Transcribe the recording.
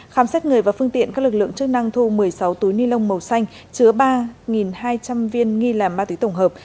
khám xét người và phương tiện các lực lượng chức năng thu một mươi sáu túi ni lông màu xanh chứa ba hai trăm linh viên nghi là ma túy tổng hợp